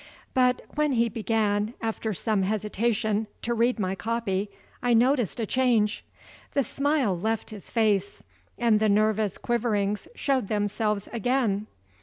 But, when he began, after some hesitation, to read my copy, I noticed a change. The smile left his face, and the nervous quiverings showed themselves again.